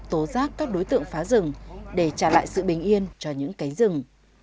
tố giác các đối tượng phá rừng để trả lại sự bình yên cho những cánh rừng